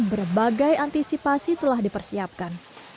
gaya antisipasi telah dipersiapkan